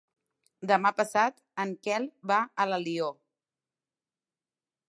Demà passat en Quel va a Alió.